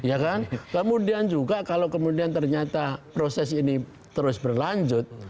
ya kan kemudian juga kalau kemudian ternyata proses ini terus berlanjut